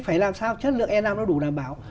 phải làm sao chất lượng e năm nó đủ đảm bảo